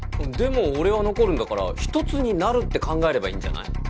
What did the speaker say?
でも俺は残るんだから１つになるって考えればいいんじゃない？